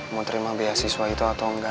mau terima beasiswa itu atau enggak